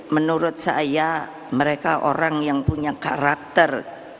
menurut saya mereka orang yang punya karakter